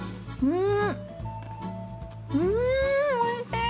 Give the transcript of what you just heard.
うんおいしい！